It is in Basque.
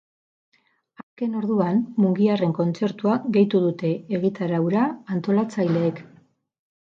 Azken orduan mungiarren kontzertua gehitu dute egitaraura antolatzaileek.